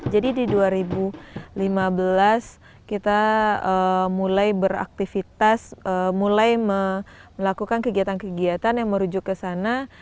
jadi di dua ribu lima belas kita mulai beraktivitas mulai melakukan kegiatan kegiatan yang merujuk ke sana